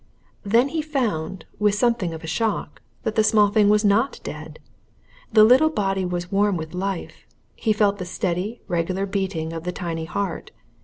Then he found, with something of a shock, that the small thing was not dead. The little body was warm with life; he felt the steady, regular beating of the tiny heart.